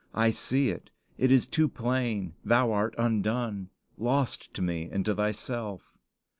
I see it; it is too plain; thou art undone lost to me and to thyself."